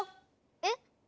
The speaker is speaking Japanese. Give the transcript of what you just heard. えっ？